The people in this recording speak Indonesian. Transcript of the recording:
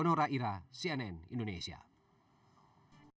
menangkap penyelenggaraan yang menangkap di poso sulawesi tenggara